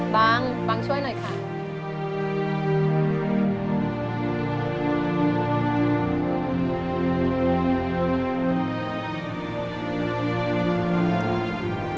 บังบังช่วยหน่อยค่ะ